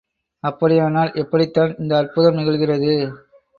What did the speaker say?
அப்படியானால் எப்படித்தான் இந்த அற்புதம் நிகழ்கிறது?